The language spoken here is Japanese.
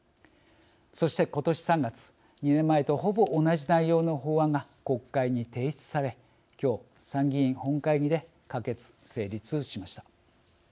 そして、今年３月２年前とほぼ同じ内容の法案が国会に提出され今日、参議院本会議で可決・成立しました。